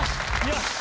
よし！